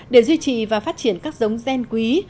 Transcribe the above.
để duy trì và phát triển các giống gen quý